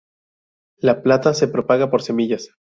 La plata se propaga por semillas.